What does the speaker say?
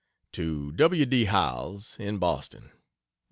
To W. D. Howells, in Boston: Dec.